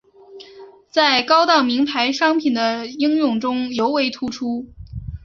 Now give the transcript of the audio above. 在高档名牌商品的应用中尤为突出。